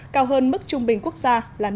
cao hơn mức trung bình quốc gia là năm